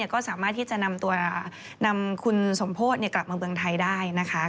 ก็สามารถที่จะนำคุณสมโพธิกลับมาเมืองไทยได้นะคะ